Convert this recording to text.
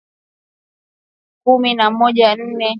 Kumi na nne